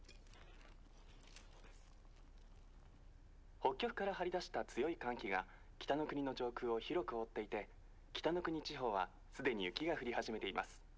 北極から張り出した強い寒気が北の国の上空を広く覆っていて北の国地方は既に雪が降り始めています。